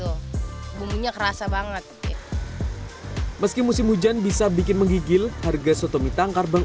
hai bumbunya kerasa banget meski musim hujan bisa bikin menggigil harga sotomi tangkar bang